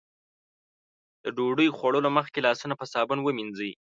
د ډوډۍ خوړلو مخکې لاسونه په صابون ومينځئ.